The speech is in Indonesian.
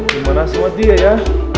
gimana sobat dia ya